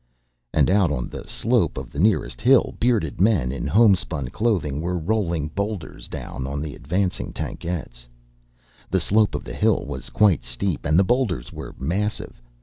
And out on the slope of the nearest hill, bearded men in homespun clothing were rolling boulders down on the advancing tankettes. The slope of the hill was quite steep, and the boulders were massive.